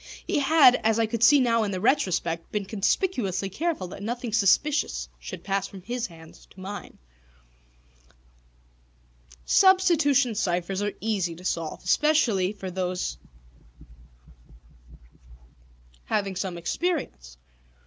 He had, as I could see now in the retrospect, been conspicuously careful that nothing suspicious should pass from his hands to mine. [Illustration: Plate II] Substitution ciphers are easy to solve, especially for those having some experience.